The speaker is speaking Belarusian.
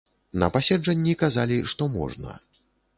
На паседжанні казалі, што можна.